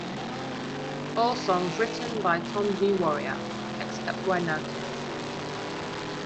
All songs written by Tom G. Warrior, except where noted.